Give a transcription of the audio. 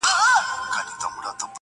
په پنځمه ورځ مور له کور څخه ذهناً وځي,